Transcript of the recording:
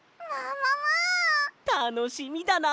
たのしみだな！